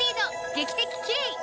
劇的キレイ！